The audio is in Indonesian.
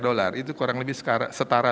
dolar itu kurang lebih setara